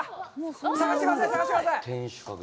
探してください、探してください。